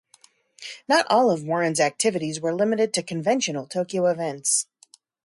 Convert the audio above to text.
Not all of Warren's activities were limited to conventional Tokyo events.